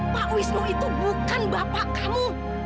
pak wisnu itu bukan bapak kamu